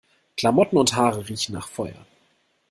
Klamotten und Haare riechen nach Feuer.